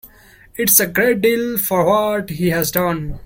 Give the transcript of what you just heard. It's a great deal for what he has done.